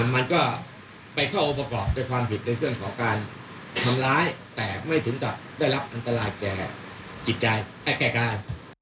มันก็ไปเข้าอุปกรณ์เป็นความผิดในเครื่องของการทำร้ายแต่ไม่ถึงจะได้รับอันตรายแก่กิจใจแค่การ